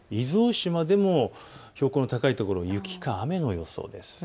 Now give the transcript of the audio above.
伊豆大島でも標高の高いところ雪か雨の予想です。